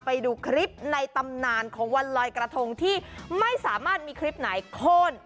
ไปดูคลิปในตำนานของวันลอยกระทงที่ไม่สามารถมีคลิปไหนโค้น